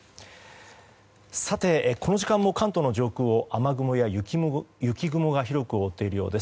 さて、この時間も関東の上空を雨雲や雪雲が広く覆っているようです。